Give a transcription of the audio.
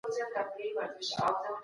د ميرويس خان نيکه اخلاق څنګه وو؟